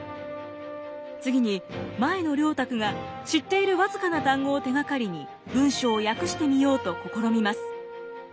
次に前野良沢が知っている僅かな単語を手がかりに文章を訳してみようと試みます。